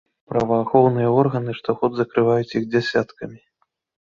Праваахоўныя органы штогод закрываюць іх дзясяткамі.